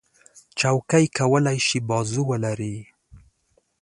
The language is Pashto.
چوکۍ کولی شي بازو ولري.